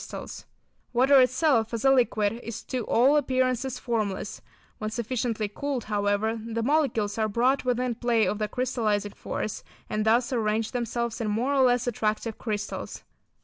Singular effect of miniature photographs enclosed] Water itself as a liquid is to all appearances formless; when sufficiently cooled, however, the molecules are brought within play of the crystallising force, and thus arrange themselves in more or less attractive crystals.